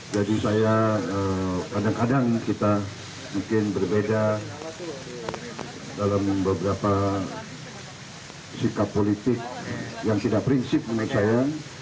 jadi saya kadang kadang kita mungkin berbeda dalam beberapa sikap politik yang tidak prinsip menurut saya